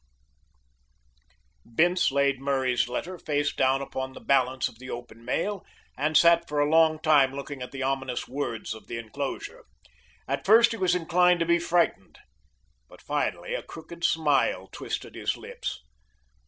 W. W. Bince laid Murray's letter face down upon the balance of the open mail, and sat for a long time looking at the ominous words of the enclosure. At first he was inclined to be frightened, but finally a crooked smile twisted his lips.